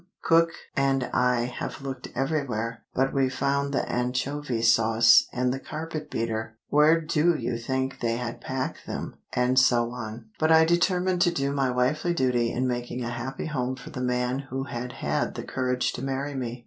Cook and I have looked everywhere. But we've found the anchovy sauce, and the carpet beater. Where do you think they had packed them——" and so on. But I determined to do my wifely duty in making a happy home for the man who had had the courage to marry me.